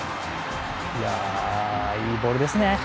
いやあ、いいボールですね。